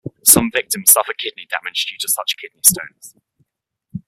Some victims suffer kidney damage due to such kidney stones.